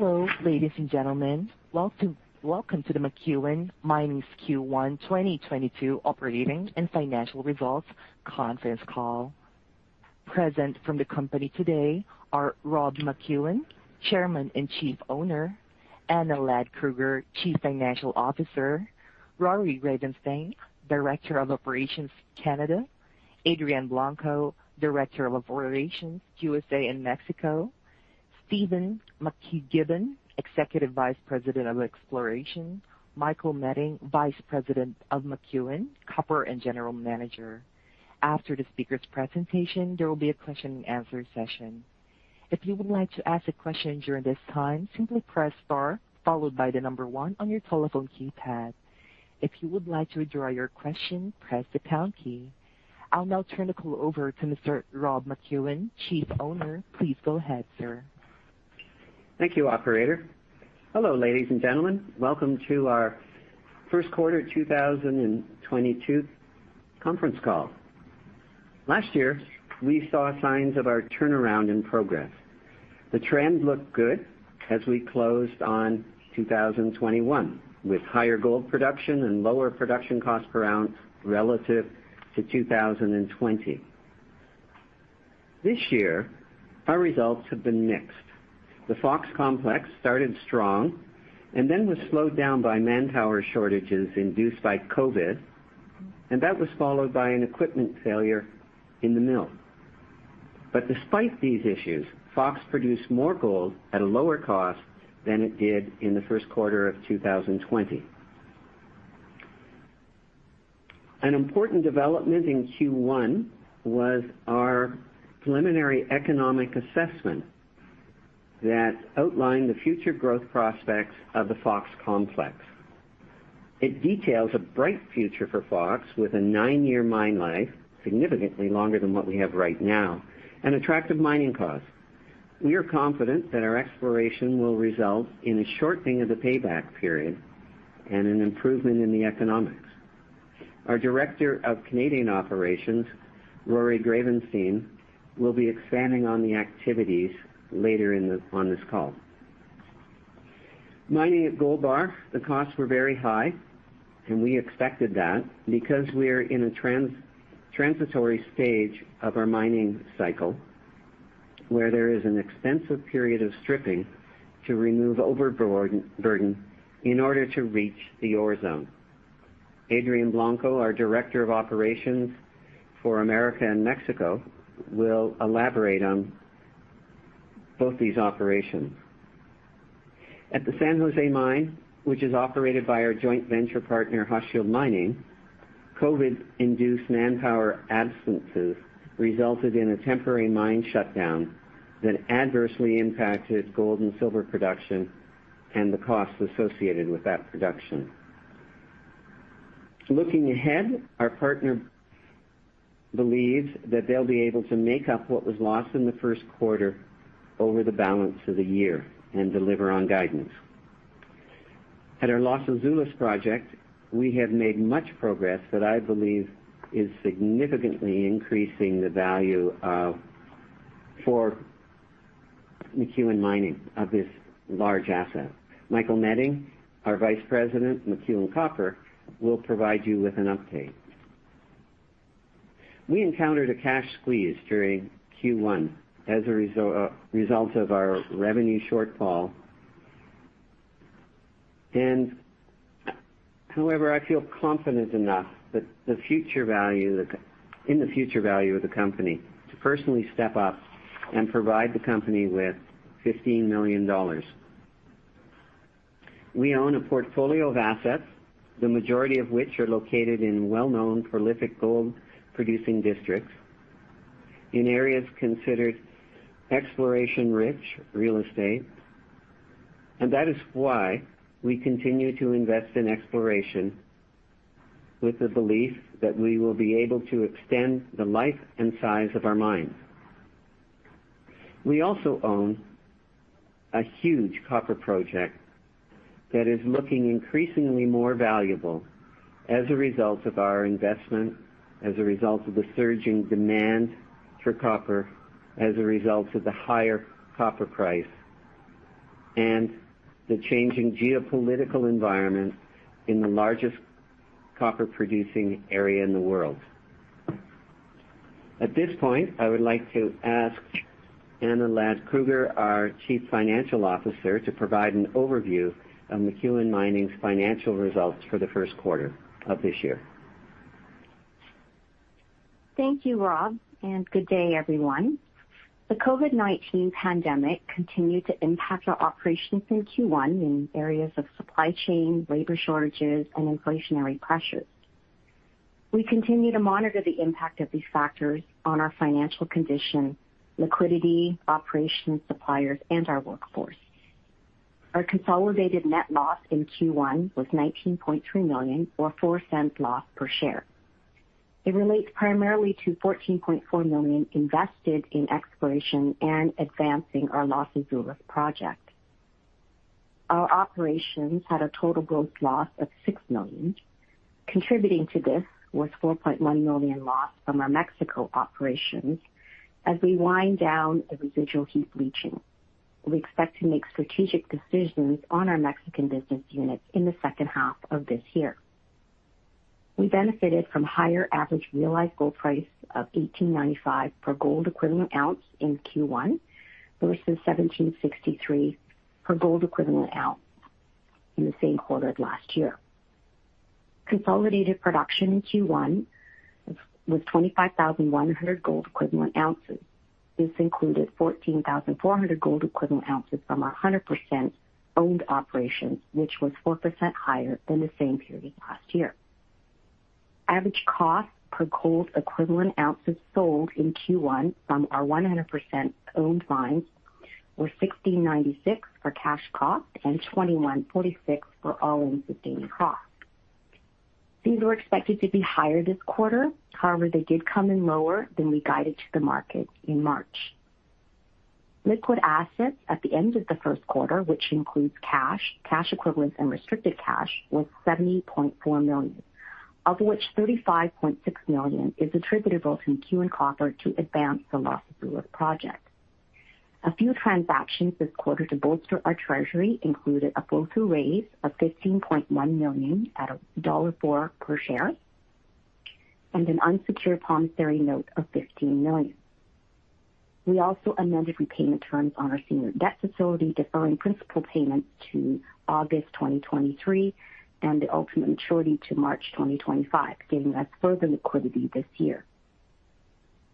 Hello, ladies and gentlemen. Welcome, welcome to the McEwen Mining Inc.'s Q1 2022 operating and financial results conference call. Present from the company today are Rob McEwen, Chairman and Chief Owner, Anna Ladd-Kruger, Chief Financial Officer, Rory Greyvensteyn, Director of Operations, Canada, Adrian Blanco, Director of Operations, USA and Mexico, Stephen McGibbon, Executive Vice President of Exploration, Michael Meding, Vice President & General Manager, McEwen Copper. After the speakers' presentation, there will be a question and answer session. If you would like to ask a question during this time, simply press star followed by the number one on your telephone keypad. If you would like to withdraw your question, press the pound key. I'll now turn the call over to Mr. Rob McEwen, Chief Owner. Please go ahead, sir. Thank you, operator. Hello, ladies and gentlemen. Welcome to our first quarter 2022 conference call. Last year, we saw signs of our turnaround and progress. The trend looked good as we closed on 2021, with higher gold production and lower production cost per ounce relative to 2020. This year, our results have been mixed. The Fox Complex started strong and then was slowed down by manpower shortages induced by COVID, and that was followed by an equipment failure in the mill. Despite these issues, Fox produced more gold at a lower cost than it did in the first quarter of 2020. An important development in Q1 was our preliminary economic assessment that outlined the future growth prospects of the Fox Complex. It details a bright future for Fox with a nine-year mine life, significantly longer than what we have right now, and attractive mining costs. We are confident that our exploration will result in a shortening of the payback period and an improvement in the economics. Our Director of Canadian Operations, Rory Greyvensteyn, will be expanding on the activities later on this call. Mining at Gold Bar, the costs were very high, and we expected that because we are in a transitory stage of our mining cycle, where there is an extensive period of stripping to remove overburden in order to reach the ore zone. Adrian Blanco, our Director of Operations for USA and Mexico, will elaborate on both these operations. At the San José Mine, which is operated by our joint venture partner, Hochschild Mining, COVID-induced manpower absences resulted in a temporary mine shutdown that adversely impacted gold and silver production and the costs associated with that production. Looking ahead, our partner believes that they'll be able to make up what was lost in the first quarter over the balance of the year and deliver on guidance. At our Los Azules project, we have made much progress that I believe is significantly increasing the value of, for McEwen Mining of this large asset. Michael Meding, our Vice President, McEwen Copper, will provide you with an update. We encountered a cash squeeze during Q1 as a result of our revenue shortfall. However, I feel confident enough that the future value of the company to personally step up and provide the company with $15 million. We own a portfolio of assets, the majority of which are located in well-known prolific gold-producing districts, in areas considered exploration-rich real estate. That is why we continue to invest in exploration with the belief that we will be able to extend the life and size of our mines. We also own a huge copper project that is looking increasingly more valuable as a result of our investment, as a result of the surging demand for copper, as a result of the higher copper price, and the changing geopolitical environment in the largest copper-producing area in the world. At this point, I would like to ask Anna Ladd-Kruger, our Chief Financial Officer, to provide an overview of McEwen Mining's financial results for the first quarter of this year. Thank you, Rob, and good day, everyone. The COVID-19 pandemic continued to impact our operations in Q1 in areas of supply chain, labor shortages, and inflationary pressures. We continue to monitor the impact of these factors on our financial condition, liquidity, operations, suppliers, and our workforce. Our consolidated net loss in Q1 was $19.3 million or $0.04 loss per share. It relates primarily to $14.4 million invested in exploration and advancing our Los Azules project. Our operations had a total gross loss of $6 million. Contributing to this was $4.1 million loss from our Mexico operations as we wind down the residual heap leaching. We expect to make strategic decisions on our Mexican business units in the second half of this year. We benefited from higher average realized gold price of $1,895 per gold equivalent ounce in Q1, versus $1,763 per gold equivalent ounce in the same quarter of last year. Consolidated production in Q1 was 25,100 gold equivalent ounces. This included 14,400 gold equivalent ounces from our 100% owned operations, which was 4% higher than the same period last year. Average cost per gold equivalent ounces sold in Q1 from our 100% owned mines were $1,696 for cash cost and $2,146 for all-in sustaining costs. These were expected to be higher this quarter. However, they did come in lower than we guided to the market in March. Liquid assets at the end of the first quarter, which includes cash equivalents and restricted cash, was $70.4 million, of which $35.6 million is attributable to McEwen Copper to advance the Los Azules project. A few transactions this quarter to bolster our treasury included a bought deal raise of $15.1 million at $4 per share and an unsecured promissory note of $15 million. We also amended repayment terms on our senior debt facility, deferring principal payments to August 2023 and the ultimate maturity to March 2025, giving us further liquidity this year.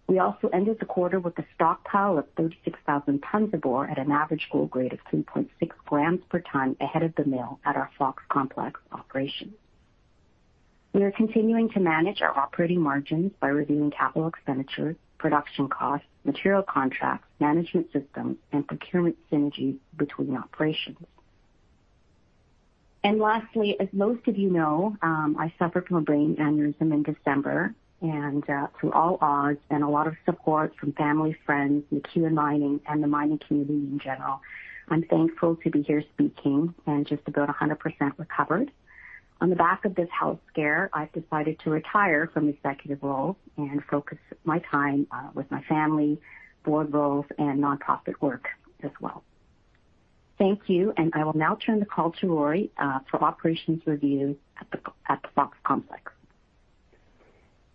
We also ended the quarter with a stockpile of 36,000 tons of ore at an average gold grade of 2.6 g per ton ahead of the mill at our Fox Complex operation. We are continuing to manage our operating margins by reviewing capital expenditures, production costs, material contracts, management systems and procurement synergy between operations. Lastly, as most of you know, I suffered from a brain aneurysm in December and, through all odds and a lot of support from family, friends and McEwen Mining and the mining community in general, I'm thankful to be here speaking and just about 100% recovered. On the back of this health scare, I've decided to retire from executive role and focus my time, with my family, board roles and nonprofit work as well. Thank you. I will now turn the call to Rory for operations review at the Fox Complex.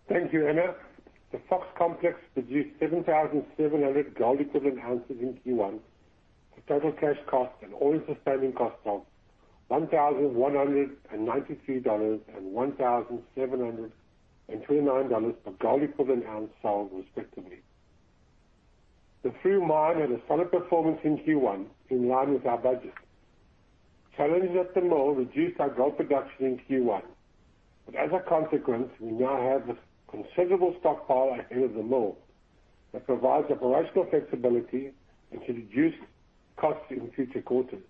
Thank you, Anna. The Fox Complex produced 7,700 gold equivalent ounces in Q1, with total cash cost and all-in sustaining costs of $1,193 and $1,729 per gold equivalent ounce sold, respectively. The Froome mine had a solid performance in Q1 in line with our budget. Challenges at the mill reduced our gold production in Q1, but as a consequence, we now have a considerable stockpile ahead of the mill that provides operational flexibility and to reduce costs in future quarters.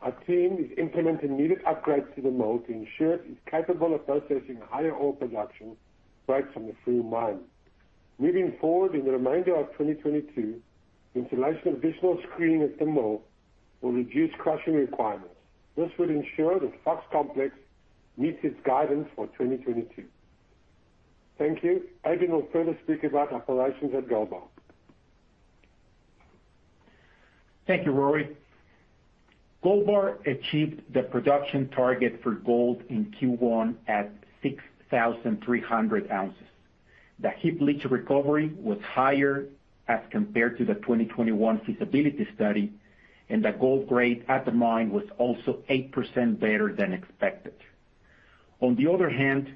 Our team is implementing needed upgrades to the mill to ensure it is capable of processing higher ore production rates from the Froome mine. Moving forward in the remainder of 2022, installation of additional screening at the mill will reduce crushing requirements. This would ensure that Fox Complex meets its guidance for 2022. Thank you. Adrian will further speak about operations at Gold Bar. Thank you, Rory. Gold Bar achieved the production target for gold in Q1 at 6,300 ounces. The heap leach recovery was higher as compared to the 2021 feasibility study, and the gold grade at the mine was also 8% better than expected. On the other hand,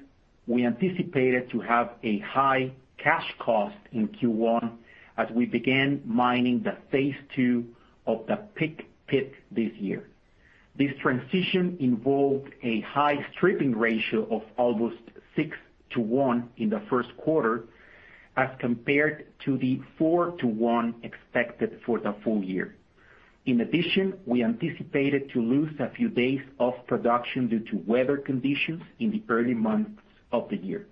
we anticipated to have a high cash cost in Q1 as we began mining the phase II of the Pick pit this year. This transition involved a high stripping ratio of almost 6 to 1 in the first quarter as compared to the 4 to 1 expected for the full year. In addition, we anticipated to lose a few days of production due to weather conditions in the early months of the year.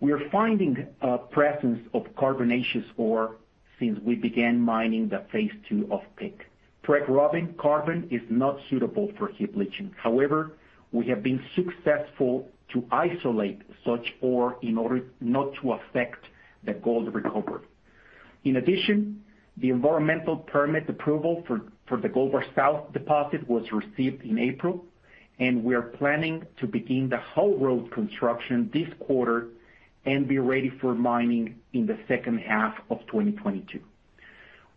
We are finding a presence of carbonaceous ore since we began mining the phase II of Pick. Preg-robbing carbon is not suitable for heap leaching. However, we have been successful to isolate such ore in order not to affect the gold recovery. In addition, the environmental permit approval for the Gold Bar South deposit was received in April, and we are planning to begin the haul road construction this quarter and be ready for mining in the second half of 2022.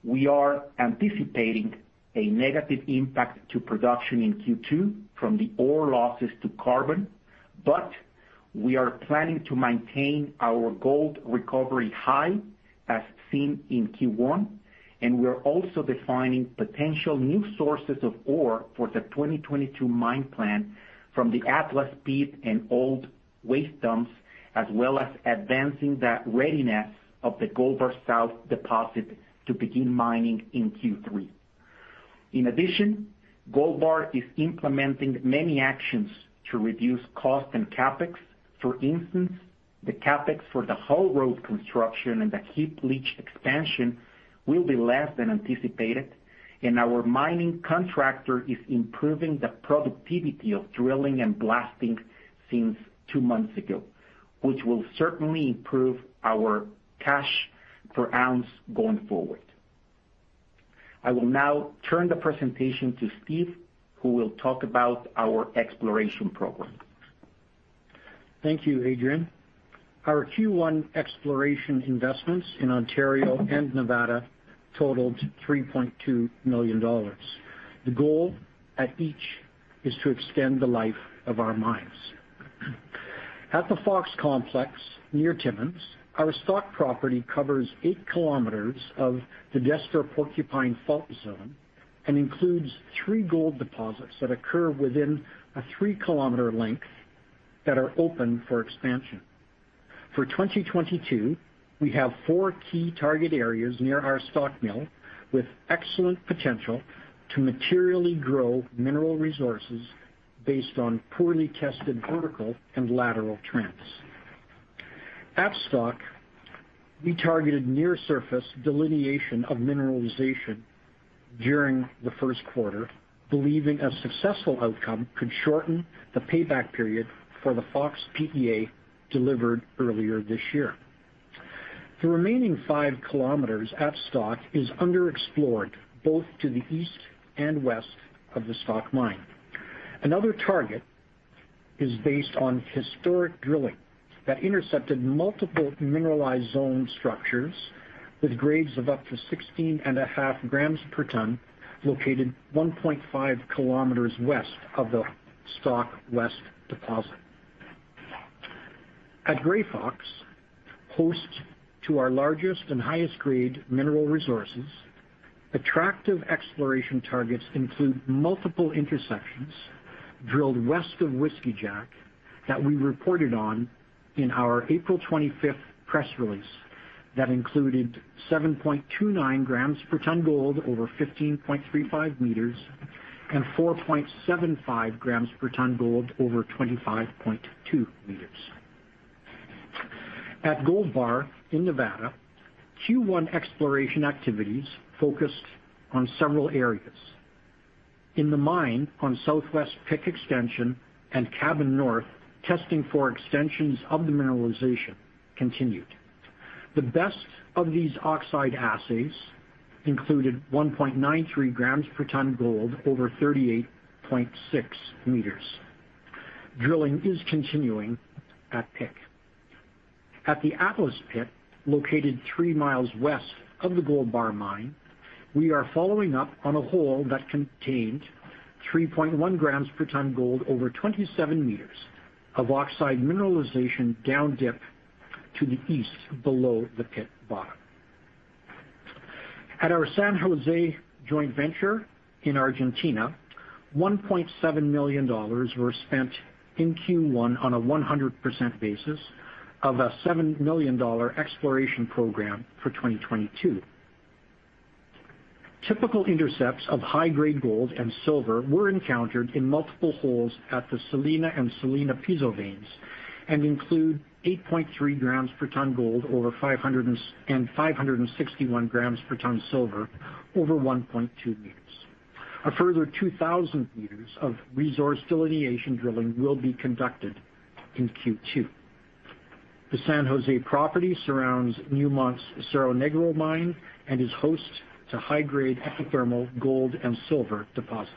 We are anticipating a negative impact to production in Q2 from the ore losses to carbon, but we are planning to maintain our gold recovery high as seen in Q1, and we are also defining potential new sources of ore for the 2022 mine plan from the Atlas pit and old waste dumps, as well as advancing the readiness of the Gold Bar South deposit to begin mining in Q3. In addition, Gold Bar is implementing many actions to reduce cost and CapEx. For instance, the CapEx for the whole road construction and the heap leach expansion will be less than anticipated, and our mining contractor is improving the productivity of drilling and blasting since two months ago, which will certainly improve our cash cost per ounce going forward. I will now turn the presentation to Steve, who will talk about our exploration program. Thank you, Adrian. Our Q1 exploration investments in Ontario and Nevada totaled $3.2 million. The goal at each is to extend the life of our mines. At the Fox Complex near Timmins, our Stock property covers 8 km of the Destor-Porcupine Fault Zone and includes three gold deposits that occur within a 3-km length that are open for expansion. For 2022, we have four key target areas near our Stock Mill with excellent potential to materially grow mineral resources based on poorly tested vertical and lateral trends. At Stock, we targeted near-surface delineation of mineralization during the first quarter, believing a successful outcome could shorten the payback period for the Fox PEA delivered earlier this year. The remaining 5 km at Stock is underexplored both to the east and west of the Stock mine. Another target is based on historic drilling that intercepted multiple mineralized zoned structures with grades of up to 16.5 g per ton, located 1.5 km west of the Stock West deposit. At Gray Fox, host to our largest and highest grade mineral resources, attractive exploration targets include multiple intersections drilled west of Whiskey Jack that we reported on in our April 25th press release that included 7.29 g per ton gold over 15.35 m and 4.75 g per ton gold over 25.2 m. At Gold Bar in Nevada, Q1 exploration activities focused on several areas. In the mine on southwest Pick extension and Cabin North, testing for extensions of the mineralization continued. The best of these oxide assays included 1.93 g per ton gold over 38.6 m. Drilling is continuing at Pick. At the Atlas pit, located 3 mi west of the Gold Bar mine, we are following up on a hole that contained 3.1 g per ton gold over 27 m of oxide mineralization down dip to the east below the pit bottom. At our San José joint venture in Argentina, $1.7 million were spent in Q1 on a 100% basis of a $7 million exploration program for 2022. Typical intercepts of high-grade gold and silver were encountered in multiple holes at the Celina and Celina Piso veins and include 8.3 g per ton gold and 561 g per ton silver over 1.2 m. A further 2,000 m of resource delineation drilling will be conducted in Q2. The San José property surrounds Newmont's Cerro Negro mine and is host to high-grade epithermal gold and silver deposits.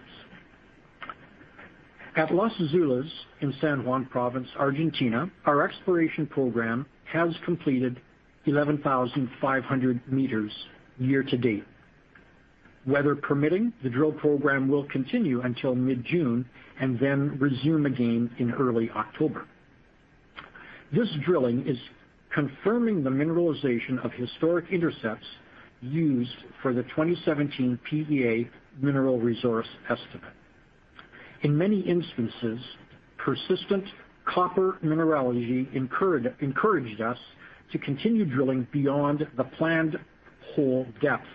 At Los Azules in San Juan Province, Argentina, our exploration program has completed 11,500 m year to date. Weather permitting, the drill program will continue until mid-June and then resume again in early October. This drilling is confirming the mineralization of historic intercepts used for the 2017 PEA mineral resource estimate. In many instances, persistent copper mineralogy encountered encouraged us to continue drilling beyond the planned hole depth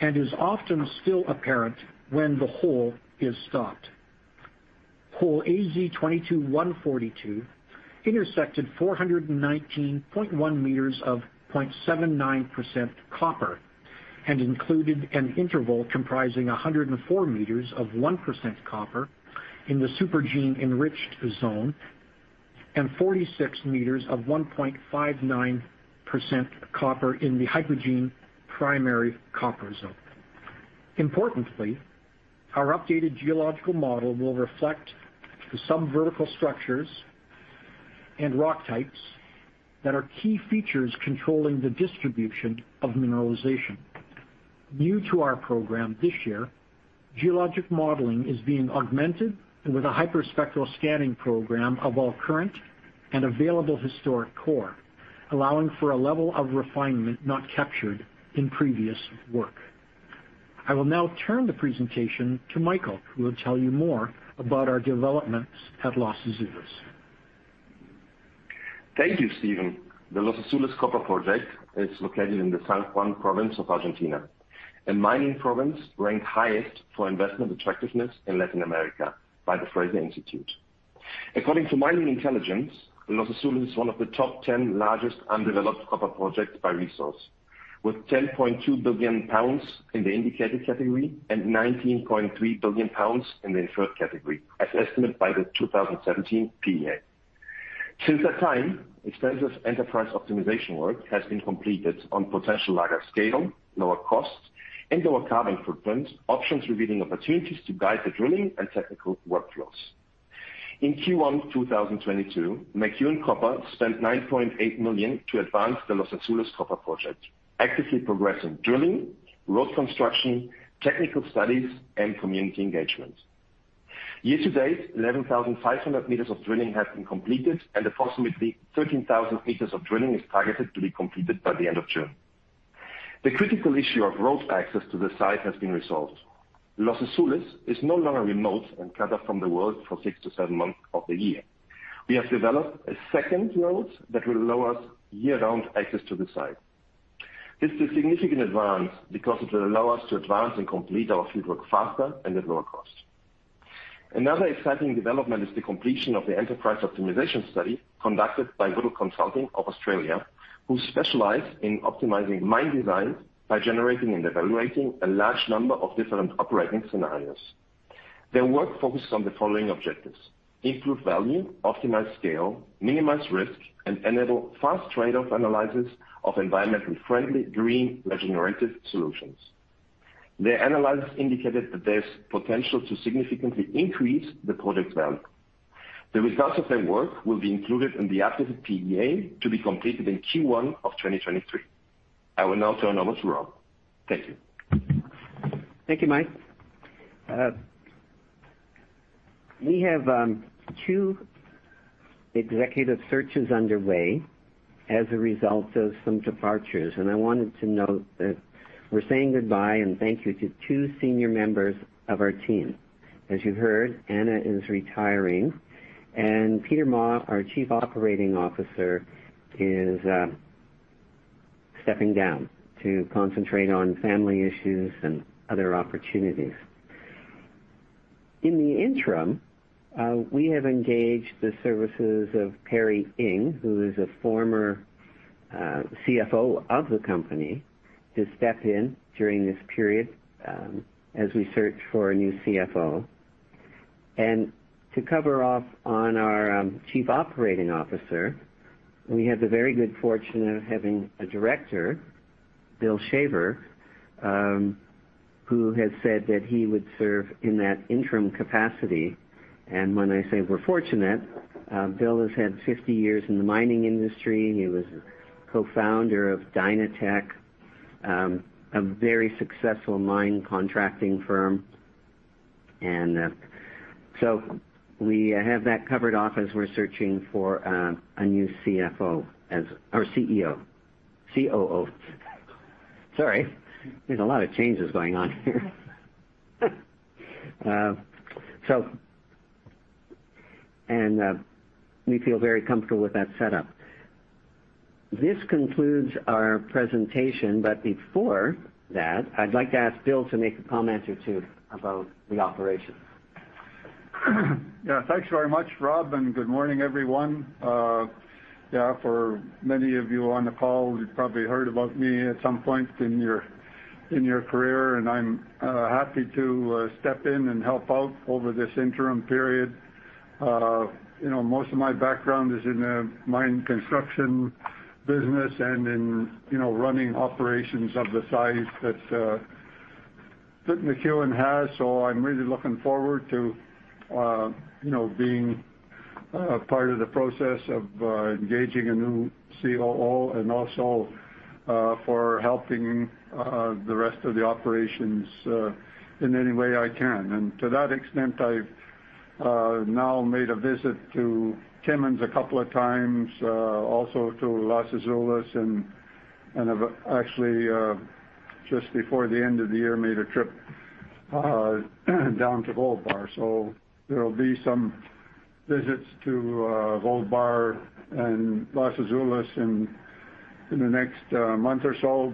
and is often still apparent when the hole is stopped. Hole AZ22-142 intersected 419.1 m of 0.79% copper and included an interval comprising 104 m of 1% copper in the supergene enriched zone and 46 m of 1.59% copper in the hypogene primary copper zone. Importantly, our updated geological model will reflect those vertical structures and rock types that are key features controlling the distribution of mineralization. New to our program this year, geologic modeling is being augmented with a hyperspectral scanning program of all current and available historic core, allowing for a level of refinement not captured in previous work. I will now turn the presentation to Michael, who will tell you more about our developments at Los Azules. Thank you, Stephen. The Los Azules copper project is located in the San Juan Province of Argentina, a mining province ranked highest for investment attractiveness in Latin America by the Fraser Institute. According to Mining Intelligence, Los Azules is one of the top 10 largest undeveloped copper projects by resource, with 10.2 billion pounds in the indicated category and 19.3 billion pounds in the inferred category, as estimated by the 2017 PEA. Since that time, extensive enterprise optimization work has been completed on potential larger scale, lower cost, and lower carbon footprint options revealing opportunities to guide the drilling and technical workflows. In Q1 2022, McEwen Copper spent $9.8 million to advance the Los Azules copper project, actively progressing drilling, road construction, technical studies, and community engagement. Year to date, 11,500 m of drilling has been completed and approximately 13,000 m of drilling is targeted to be completed by the end of June. The critical issue of road access to the site has been resolved. Los Azules is no longer remote and cut off from the world for six to seven months of the year. We have developed a second road that will allow us year-round access to the site. This is a significant advance because it will allow us to advance and complete our field work faster and at lower cost. Another exciting development is the completion of the enterprise optimization study conducted by Whittle Consulting of Australia, who specialize in optimizing mine designs by generating and evaluating a large number of different operating scenarios. Their work focuses on the following objectives, improve value, optimize scale, minimize risk, and enable fast trade-off analysis of environmentally friendly, green, regenerative solutions. Their analysis indicated that there's potential to significantly increase the project value. The results of their work will be included in the updated PEA to be completed in Q1 of 2023. I will now turn it over to Rob. Thank you. Thank you, Mike. We have two executive searches underway as a result of some departures, and I wanted to note that we're saying goodbye and thank you to two senior members of our team. As you heard, Anna is retiring and Peter Mah, our Chief Operating Officer, is stepping down to concentrate on family issues and other opportunities. In the interim, we have engaged the services of Perry Ing, who is a former CFO of the company, to step in during this period, as we search for a new CFO. To cover off on our chief operating officer, we have the very good fortune of having a Director, Bill Shaver, who has said that he would serve in that interim capacity. When I say we're fortunate, Bill has had 50 years in the mining industry. He was co-founder of Dynatec, a very successful mine contracting firm. We have that covered off as we're searching for a new CFO or COO. Sorry. There's a lot of changes going on here. We feel very comfortable with that setup. This concludes our presentation, but before that, I'd like to ask Bill to make a comment or two about the operation. Yeah. Thanks very much, Rob, and good morning, everyone. Yeah, for many of you on the call, you've probably heard about me at some point in your, in your career, and I'm happy to step in and help out over this interim period. You know, most of my background is in the mine construction business and in, you know, running operations of the size that that McEwen has. I'm really looking forward to, you know, being part of the process of engaging a new COO and also for helping the rest of the operations in any way I can. I've now made a visit to Timmins a couple of times, also to Los Azules, and I've actually just before the end of the year made a trip down to Gold Bar. There'll be some visits to Gold Bar and Los Azules in the next month or so.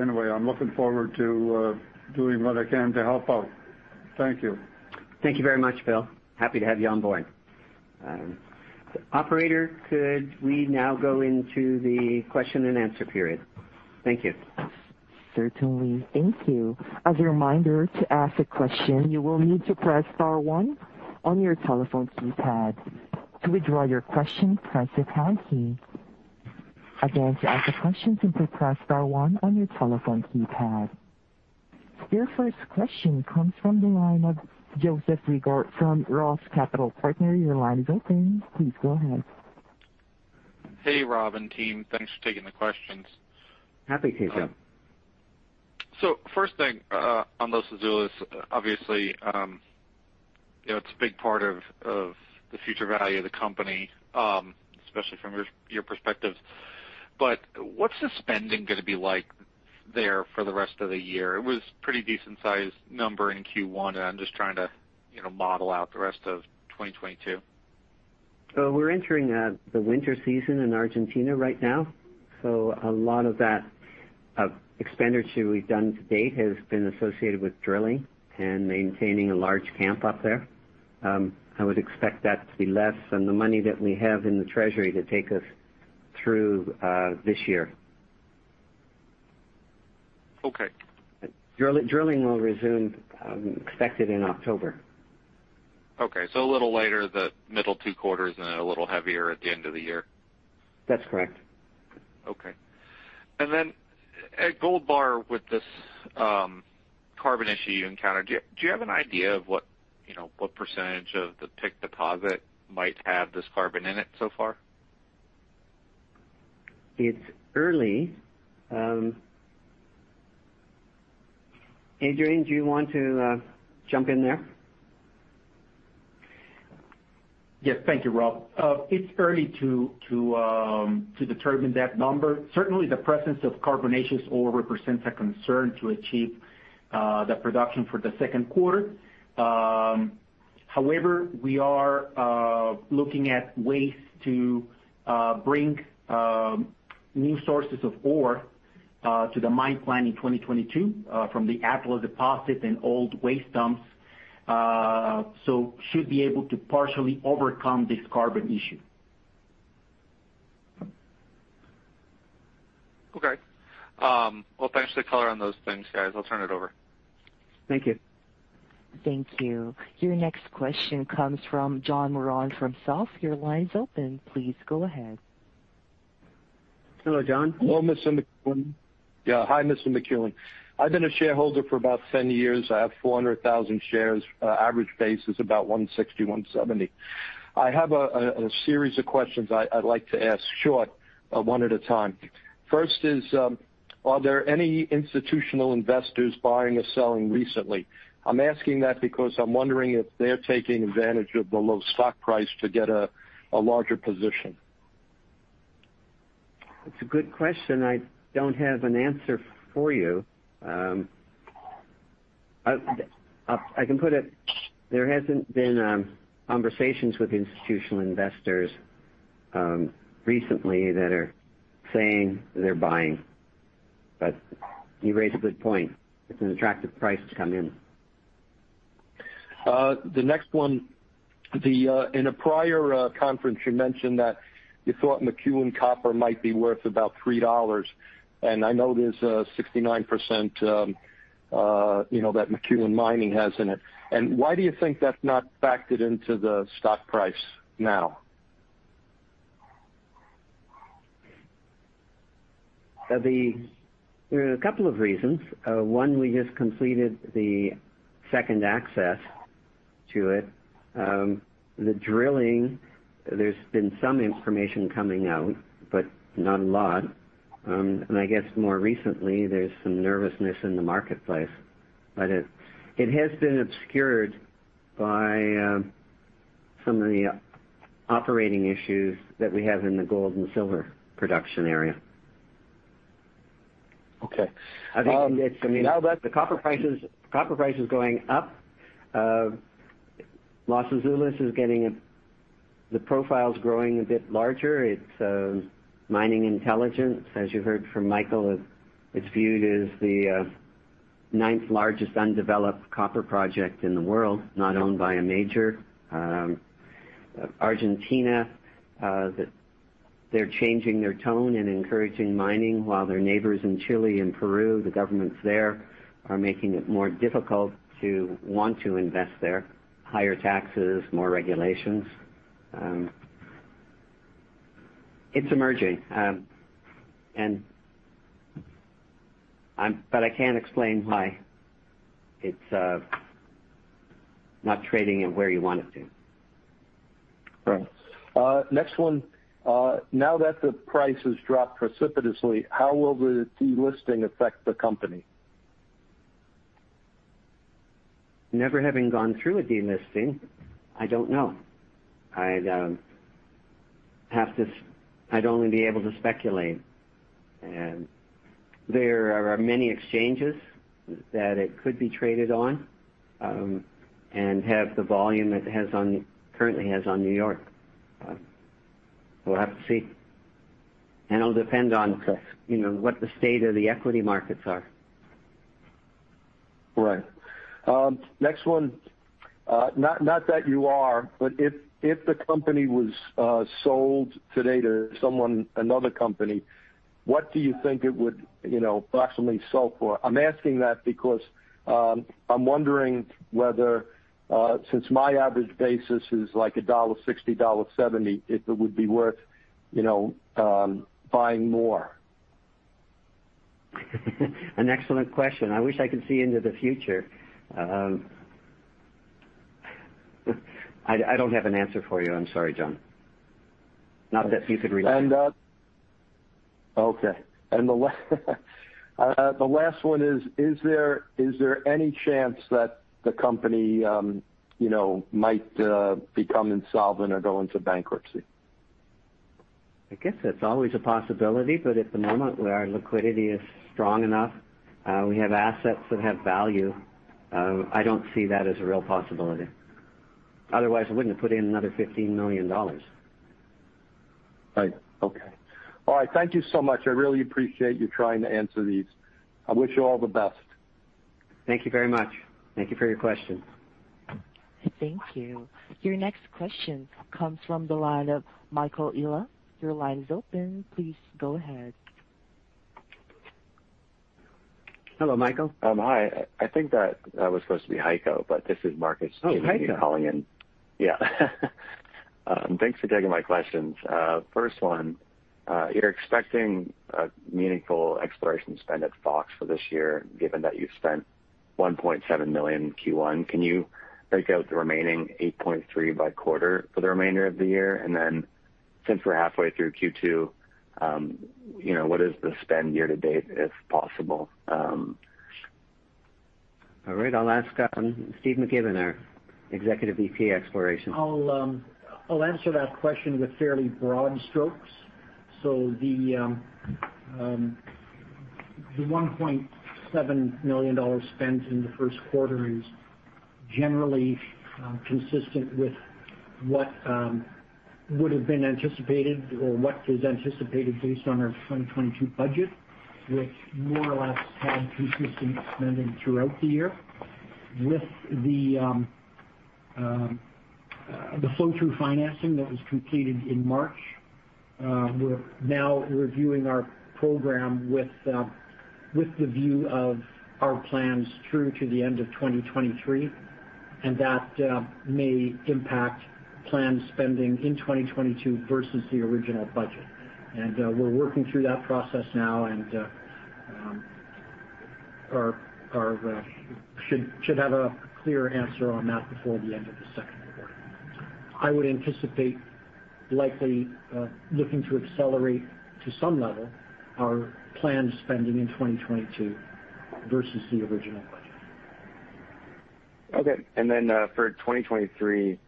Anyway, I'm looking forward to doing what I can to help out. Thank you. Thank you very much, Bill. Happy to have you on board. Operator, could we now go into the question and answer period? Thank you. Certainly. Thank you. As a reminder, to ask a question, you will need to press star one on your telephone keypad. To withdraw your question, press the pound key. Again, to ask a question, simply press star one on your telephone keypad. Your first question comes from the line of Jake Sekelsky from Roth Capital Partners. Your line is open. Please go ahead. Hey, Rob and team. Thanks for taking the questions. Happy to, Jake. First thing, on Los Azules, obviously, you know, it's a big part of the future value of the company, especially from your perspective. But what's the spending gonna be like? There for the rest of the year. It was pretty decent sized number in Q1. I'm just trying to, you know, model out the rest of 2022. We're entering the winter season in Argentina right now, so a lot of that expenditure we've done to date has been associated with drilling and maintaining a large camp up there. I would expect that to be less than the money that we have in the treasury to take us through this year. Okay. Drilling will resume, expected in October. Okay, a little later, the middle two quarters, and a little heavier at the end of the year. That's correct. Okay. At Gold Bar, with this carbon issue you encountered, do you have an idea of what, you know, what percentage of the Pick deposit might have this carbon in it so far? It's early. Adrian, do you want to jump in there? Yes, thank you, Rob. It's early to determine that number. Certainly, the presence of carbonaceous ore represents a concern to achieve the production for the second quarter. However, we are looking at ways to bring new sources of ore to the mine plan in 2022 from the Atlas deposit and old waste dumps, so should be able to partially overcome this carbon issue. Okay. Well, thanks for the color on those things, guys. I'll turn it over. Thank you. Thank you. Your next question comes from John Moran from South. Your line's open. Please go ahead. Hello, John. Hello, Mr. McEwen. Yeah. Hi, Mr. McEwen. I've been a shareholder for about 10 years. I have 400,000 shares. Average basis is about $1.60-$1.70. I have a series of questions I'd like to ask, short, one at a time. First is, are there any institutional investors buying or selling recently? I'm asking that because I'm wondering if they're taking advantage of the low stock price to get a larger position. It's a good question. I don't have an answer for you. I can put it, there hasn't been conversations with institutional investors recently that are saying they're buying. You raise a good point. It's an attractive price to come in. In a prior conference, you mentioned that you thought McEwen Copper might be worth about $3, and I know there's a 69% that McEwen Mining has in it. Why do you think that's not factored into the stock price now? There are a couple of reasons. One, we just completed the second access to it. The drilling, there's been some information coming out, but not a lot. I guess more recently, there's some nervousness in the marketplace. It has been obscured by some of the operating issues that we have in the gold and silver production area. Okay. The copper price is going up. Los Azules is getting a higher profile. It's growing a bit larger. It's Mining Intelligence. As you heard from Michael, it's viewed as the ninth largest undeveloped copper project in the world, not owned by a major. Argentina, they're changing their tone and encouraging mining while their neighbors in Chile and Peru, the governments there are making it more difficult to want to invest there. Higher taxes, more regulations. It's emerging. I can't explain why it's not trading where you want it to. Right. Next one. Now that the price has dropped precipitously, how will the delisting affect the company? Never having gone through a delisting, I don't know. I'd only be able to speculate. There are many exchanges that it could be traded on and have the volume it currently has on New York. We'll have to see. It'll depend on, you know, what the state of the equity markets are. Right. Next one. Not that you are, but if the company was sold today to someone, another company, what do you think it would, you know, approximately sell for? I'm asking that because I'm wondering whether, since my average basis is like $1.60-$1.70, if it would be worth, you know, buying more. An excellent question. I wish I could see into the future. I don't have an answer for you. I'm sorry, John. Not that you could relate. Okay. The last one is there any chance that the company, you know, might become insolvent or go into bankruptcy? I guess it's always a possibility, but at the moment, our liquidity is strong enough. We have assets that have value. I don't see that as a real possibility. Otherwise, I wouldn't have put in another $15 million. Right. Okay. All right. Thank you so much. I really appreciate you trying to answer these. I wish you all the best. Thank you very much. Thank you for your question. Thank you. Your next question comes from the line of Heiko Ihle. Your line is open. Please go ahead. Hello, Michael. Hi. I think that I was supposed to be Heiko, but this is Marcus. Oh, Heiko. Yeah. Thanks for taking my questions. First one, you're expecting a meaningful exploration spend at Fox for this year, given that you've spent $1.7 million in Q1. Can you break out the remaining $8.3 million by quarter for the remainder of the year? Since we're halfway through Q2, you know, what is the spend year to date, if possible? All right. I'll ask, Stephen McGibbon, our Executive VP of Exploration. I'll answer that question with fairly broad strokes. The $1.7 million spent in the first quarter is generally consistent with what would have been anticipated or what is anticipated based on our 2022 budget, which more or less had increasing spending throughout the year. With the flow through financing that was completed in March, we're now reviewing our program with the view of our plans through to the end of 2023, and that may impact planned spending in 2022 versus the original budget. We're working through that process now. We should have a clear answer on that before the end of the second quarter. I would anticipate likely looking to accelerate to some level our planned spending in 2022 versus the original budget. Okay. For 2023,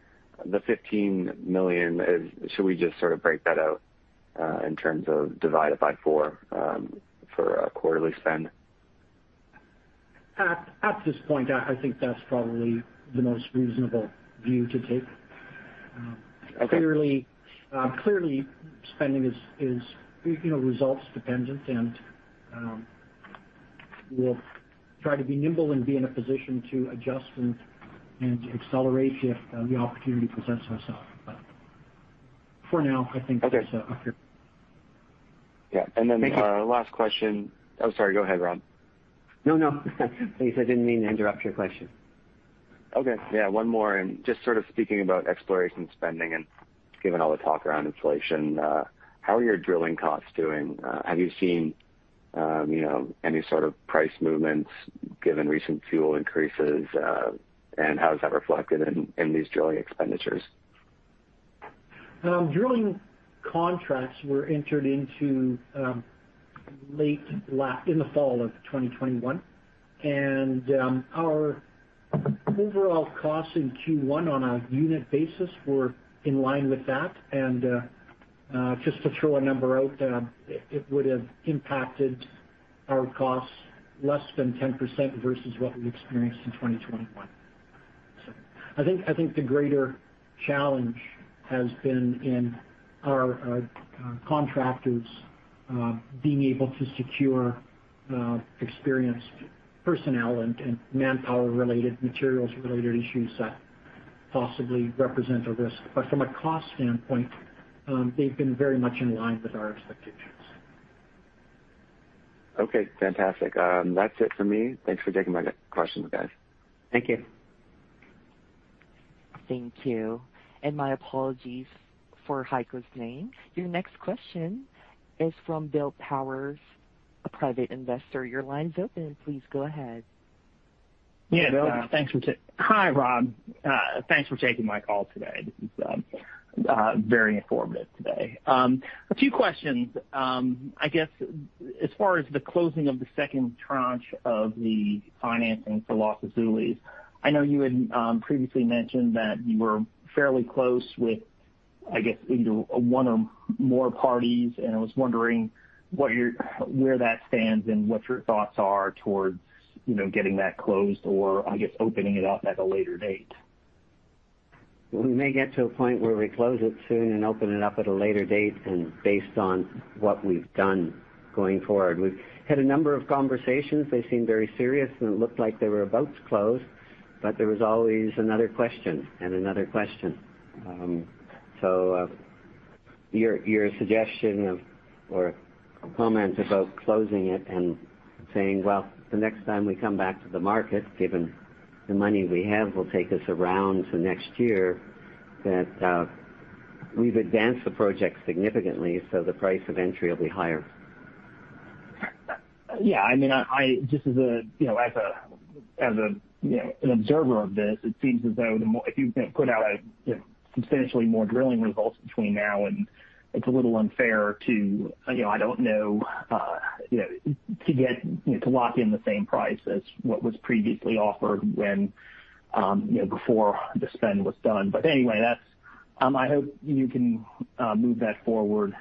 the $15 million is. Should we just sort of break that out in terms of divide it by four for a quarterly spend? At this point, I think that's probably the most reasonable view to take. Okay. Clearly spending is, you know, results dependent. We'll try to be nimble and be in a position to adjust and accelerate if the opportunity presents itself. For now, I think that's accurate. Okay. Yeah. Thank you. Last question. Oh, sorry. Go ahead, Rob. No, no. Please, I didn't mean to interrupt your question. Okay. Yeah, one more. Just sort of speaking about exploration spending and given all the talk around inflation, how are your drilling costs doing? Have you seen, you know, any sort of price movements given recent fuel increases? How is that reflected in these drilling expenditures? Drilling contracts were entered into in the fall of 2021. Our overall costs in Q1 on a unit basis were in line with that. Just to throw a number out, it would have impacted our costs less than 10% versus what we experienced in 2021. I think the greater challenge has been in our contractors being able to secure experienced personnel and manpower-related, materials-related issues that possibly represent a risk. From a cost standpoint, they've been very much in line with our expectations. Okay, fantastic. That's it for me. Thanks for taking my questions, guys. Thank you. Thank you. My apologies for Heiko's name. Your next question is from Bill Powers, a private investor. Your line's open. Please go ahead. Yes. Bill. Hi, Rob. Thanks for taking my call today. This is very informative today. A few questions. I guess as far as the closing of the second tranche of the financing for Los Azules, I know you had previously mentioned that you were fairly close with, I guess, either one or more parties, and I was wondering what your where that stands and what your thoughts are towards, you know, getting that closed or, I guess, opening it up at a later date. We may get to a point where we close it soon and open it up at a later date. Based on what we've done going forward, we've had a number of conversations. They seemed very serious, and it looked like they were about to close, but there was always another question and another question. Your suggestion or comment about closing it and saying, well, the next time we come back to the market, given the money we have, will take us around to next year, that we've advanced the project significantly, so the price of entry will be higher. Yeah. I mean, I just, as a, you know, as a, you know, an observer of this, it seems as though if you put out a, you know, substantially more drilling results between now and it's a little unfair to, you know, I don't know, you know, to get, you know, to lock in the same price as what was previously offered when, you know, before the spend was done. Anyway, that's. I hope you can move that forward.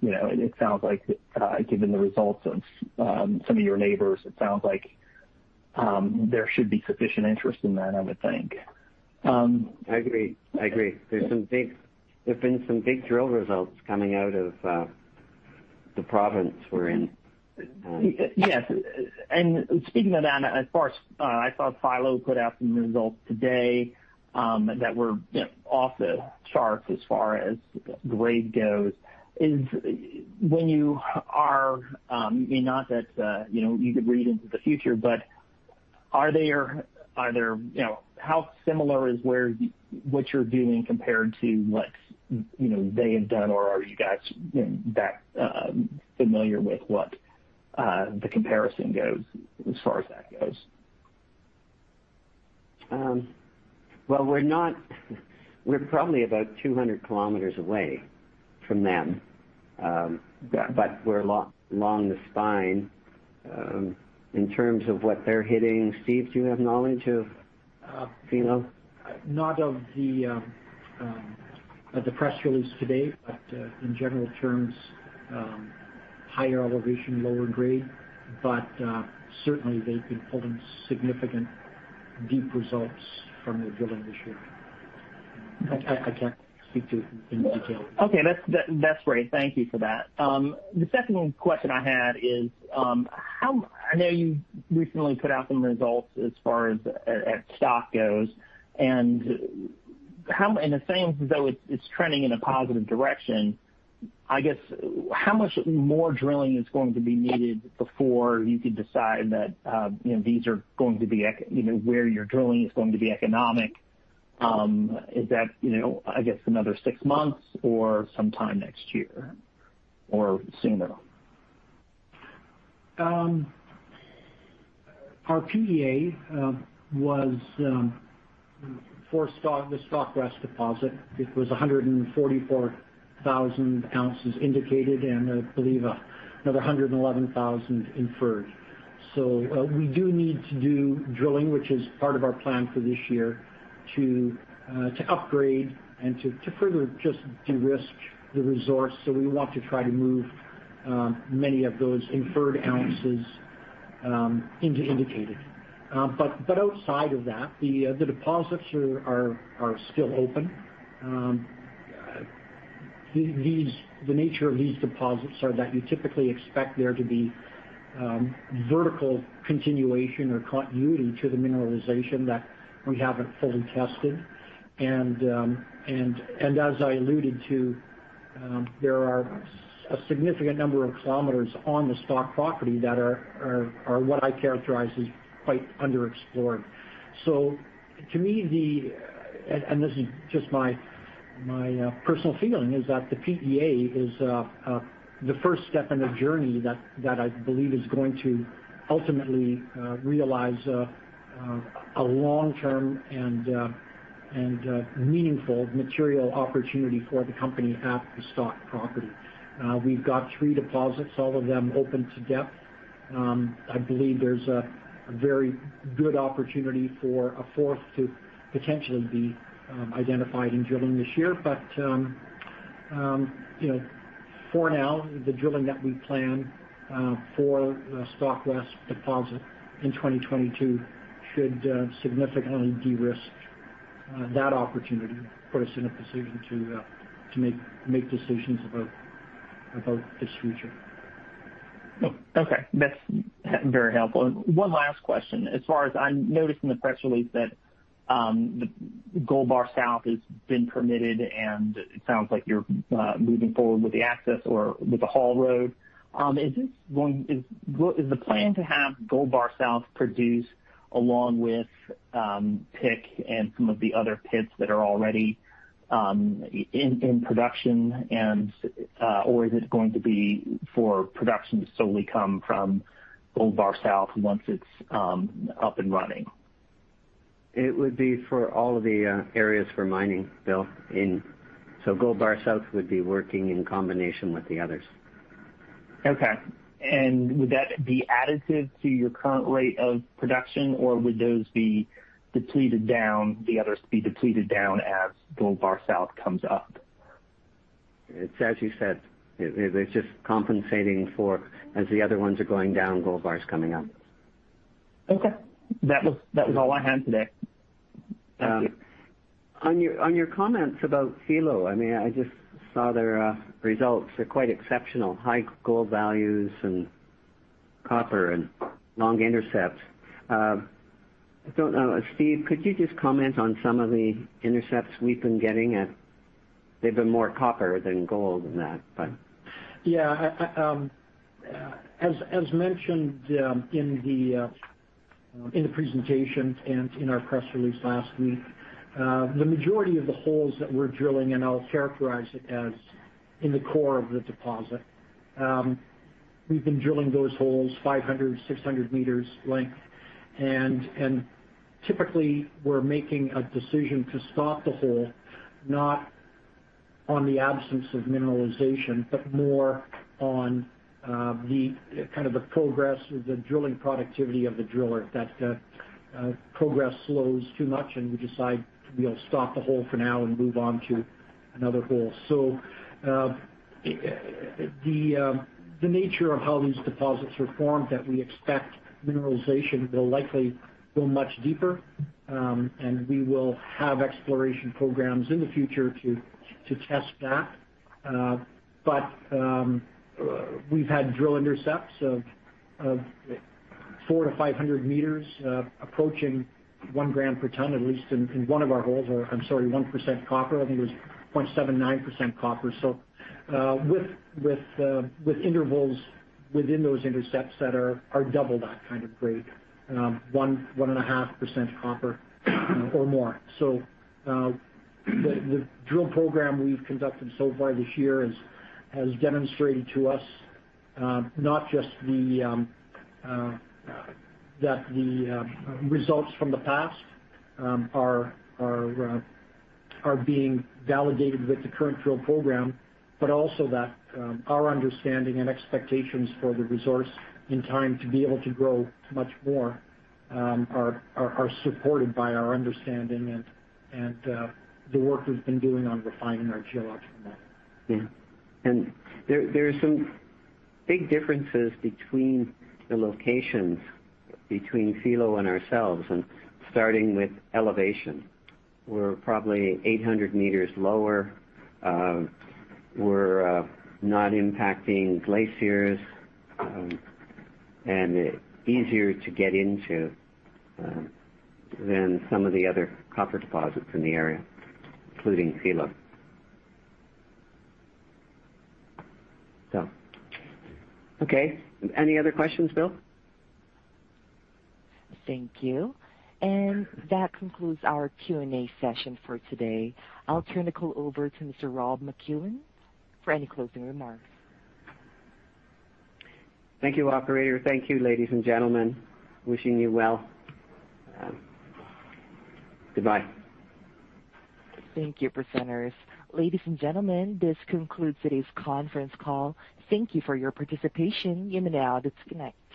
You know, it sounds like, given the results of some of your neighbors, it sounds like there should be sufficient interest in that, I would think. I agree. There've been some big drill results coming out of the province we're in. Yes. Speaking of that, as far as I saw Filo put out some results today that were, you know, off the charts as far as grade goes. When you are, I mean, not that you know, you could read into the future, but are there you know, how similar is what you're doing compared to what you know, they have done? Or are you guys you know, that familiar with what the comparison goes as far as that goes? We're probably about 200 Km away from them. We're along the spine. In terms of what they're hitting, Steve, do you have knowledge of Filo? Not of the press release today, but in general terms, higher elevation, lower grade. Certainly they've been pulling significant deep results from their drilling this year. I can't speak to in detail. Okay. That's great. Thank you for that. The second question I had is, I know you recently put out some results as far as at Stock goes, and it seems as though it's trending in a positive direction. I guess, how much more drilling is going to be needed before you could decide that, you know, these are going to be, you know, where your drilling is going to be economic? Is that, you know, I guess another six months or sometime next year or sooner? Our PEA was for Stock, the Stock West deposit. It was 144,000 ounces indicated, and I believe another 111,000 inferred. We do need to do drilling, which is part of our plan for this year to upgrade and to further just de-risk the resource. We want to try to move many of those inferred ounces into indicated. Outside of that, the deposits are still open. The nature of these deposits are that you typically expect there to be vertical continuation or continuity to the mineralization that we haven't fully tested. As I alluded to, there are a significant number of Kilometers on the Stock property that are what I characterize as quite underexplored. To me, this is just my personal feeling, is that the PEA is the first step in a journey that I believe is going to ultimately realize a long-term and meaningful material opportunity for the company at the Stock property. We've got three deposits, all of them open to depth. I believe there's a very good opportunity for a fourth to potentially be identified in drilling this year. You know, for now, the drilling that we plan for the Stock West deposit in 2022 should significantly de-risk that opportunity, put us in a position to make decisions about its future. Oh, okay. That's very helpful. One last question. As far as I'm noticing the press release that Gold Bar South has been permitted, and it sounds like you're moving forward with the access or with the haul road. Is the plan to have Gold Bar South produce along with Pick and some of the other pits that are already in production and or is it going to be for production to solely come from Gold Bar South once it's up and running? It would be for all of the areas for mining, Bill. Gold Bar South would be working in combination with the others. Okay. Would that be additive to your current rate of production, or would those be depleted down, the others be depleted down as Gold Bar South comes up? It's as you said. It's just compensating for as the other ones are going down, Gold Bar's coming up. Okay. That was all I had today. Thank you. On your comments about Filo, I mean, I just saw their results. They're quite exceptional. High gold values and copper and long intercepts. I don't know. Steve, could you just comment on some of the intercepts we've been getting at? They've been more copper than gold in that, but. Yeah. As mentioned in the presentation and in our press release last week, the majority of the holes that we're drilling, and I'll characterize it as in the core of the deposit, we've been drilling those holes 500-600 m length. Typically we're making a decision to stop the hole not on the absence of mineralization, but more on the kind of progress of the drilling productivity of the driller, that progress slows too much and we decide we'll stop the hole for now and move on to another hole. The nature of how these deposits are formed, that we expect mineralization will likely go much deeper, and we will have exploration programs in the future to test that. We've had drill intercepts of 400 m-500 m, approaching 1 g per ton, at least in one of our holes, or I'm sorry, 1% copper. I think it was 0.79% copper. With intervals within those intercepts that are double that kind of grade, 1.5% copper or more. The drill program we've conducted so far this year has demonstrated to us, not just that the results from the past are being validated with the current drill program, but also that our understanding and expectations for the resource in time to be able to grow much more are supported by our understanding and the work we've been doing on refining our geological model. There are some big differences between the locations between Filo and ourselves, and starting with elevation. We're probably 800 m lower. We're not impacting glaciers and easier to get into than some of the other copper deposits in the area, including Filo. Okay. Any other questions, Bill? Thank you. That concludes our Q&A session for today. I'll turn the call over to Mr. Rob McEwen for any closing remarks. Thank you, operator. Thank you, ladies and gentlemen. Wishing you well. Goodbye. Thank you, presenters. Ladies and gentlemen, this concludes today's conference call. Thank you for your participation. You may now disconnect.